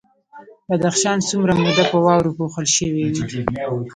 بدخشان څومره موده په واورو پوښل شوی وي؟